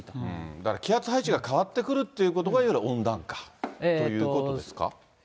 だから気圧配置が変わってくるということが、いわゆる温暖化ということですか。